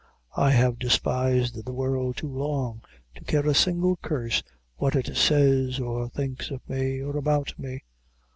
I have despised the world too long to care a single curse what it says or thinks of me, or about me.